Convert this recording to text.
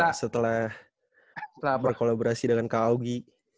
nah setelah berkolaborasi dengan kak augi